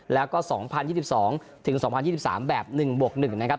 แล้วก็๒๐๒๒ถึง๒๐๒๓แบบ๑บวก๑นะครับ